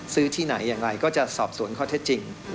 ที่ไหนอย่างไรก็จะสอบสวนข้อเท็จจริง